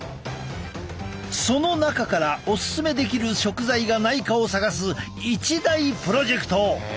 その中からオススメできる食材がないかを探す一大プロジェクト！